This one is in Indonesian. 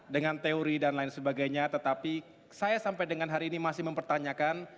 dengan teori dan lain sebagainya tetapi saya sampai dengan hari ini masih mempertanyakan